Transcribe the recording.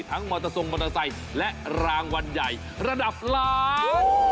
มอเตอร์ทรงมอเตอร์ไซค์และรางวัลใหญ่ระดับล้าน